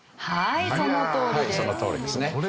はいそのとおりですね。